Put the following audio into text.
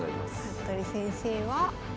服部先生は？